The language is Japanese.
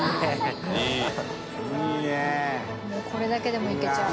もうこれだけでもいけちゃう。